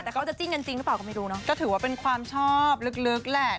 แต่เขาจะจิ้นกันจริงหรือเปล่าก็ไม่รู้เนอะก็ถือว่าเป็นความชอบลึกแหละ